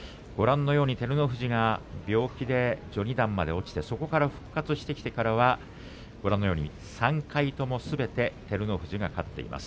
照ノ富士が病気で序二段まで落ちてそこから復活してきたからは３回ともすべて照ノ富士が勝っています。